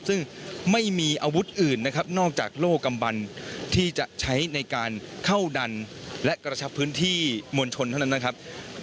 ซึ่งไม่มีอาวุธอื่นนะครับนอกจากโลกกำบันที่จะใช้ในการเข้าดันและกระชับพื้นที่มวลชนเท่านั้นนะครับ